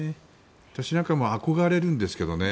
私なんかも憧れるんですけどね